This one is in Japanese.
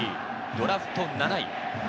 ドラフト７位。